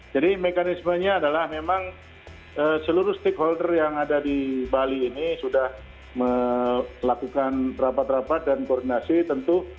jadi mekanismenya adalah memang seluruh stakeholder yang ada di bali ini sudah melakukan rapat rapat dan koordinasi tentu